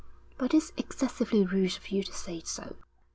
'But it's excessively rude of you to say so.'